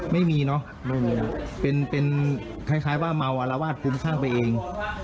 ไม่มีเนอะเป็นคล้ายว่าเมาอารวาสภูมิข้างไปเอง